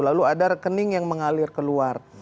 lalu ada rekening yang mengalir keluar